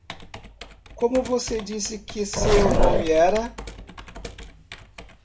Como você disse que seu nome era?